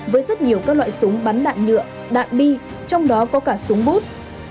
với rất nhiều các loại súng bắn đạn nhựa đạn bi trong đó có cả súng bút